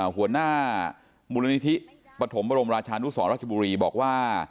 หัวหน้ามูลนิธิปฐมบรมราชานุสรราชบุรีบอกว่า